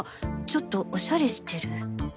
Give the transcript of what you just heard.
ちょっとおしゃれしてる？